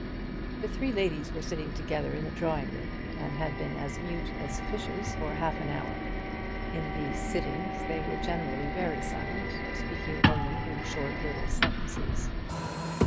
The three ladies were sitting together in the drawing room, and had been as mute as fishes for half an hour. In these sittings they were generally very silent, speaking only in short little sentences.